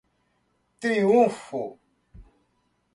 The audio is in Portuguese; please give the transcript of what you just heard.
Triunfo